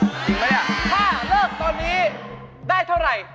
ถ้าเลิกตอนนี้ได้เท่าไหร่